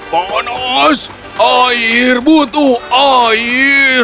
panas air butuh air